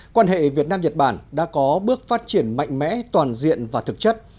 quan hệ việt nam nhật bản đã có bước phát triển mạnh mẽ toàn diện và thực chất